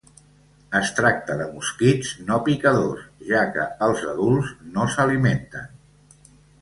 Es tracta de mosquits no picadors, ja que els adults no s'alimenten.